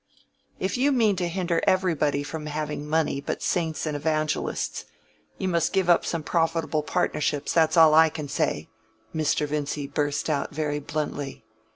"If you mean to hinder everybody from having money but saints and evangelists, you must give up some profitable partnerships, that's all I can say," Mr. Vincy burst out very bluntly.